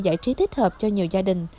giải trí thích hợp cho nhiều gia đình